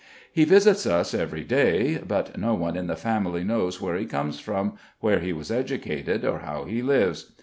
He visits us every day; but no one in the family knows where he comes from, where he was educated, or how he lives.